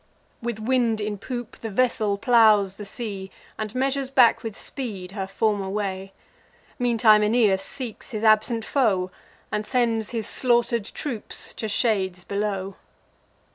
With wind in poop, the vessel plows the sea, And measures back with speed her former way. Meantime Aeneas seeks his absent foe, And sends his slaughter'd troops to shades below.